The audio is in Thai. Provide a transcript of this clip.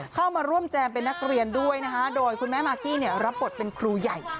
เข้ามาร่วมแจมเป็นนักเรียนด้วยนะคะโดยคุณแม่มากกี้รับบทเป็นครูใหญ่